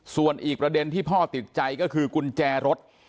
ส่วนอีกประเด็นที่พ่อติดใจก็คือกุญแจรถ